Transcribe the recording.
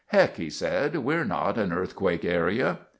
"Heck," he said, "We're not in an earthquake area."